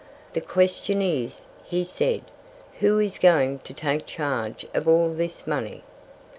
"The question is," he said, "who is going to take charge of all this money?"